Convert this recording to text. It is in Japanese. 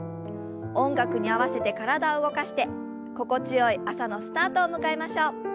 音楽に合わせて体を動かして心地よい朝のスタートを迎えましょう。